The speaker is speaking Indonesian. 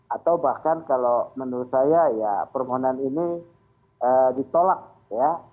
atau bahkan kalau menurut saya ya permohonan ini ditolak ya